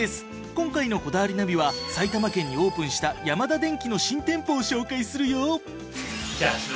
今回の『こだわりナビ』は埼玉県にオープンしたヤマダデンキの新店舗を紹介するよ。